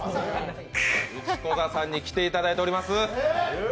内子座さんに来ていただいております。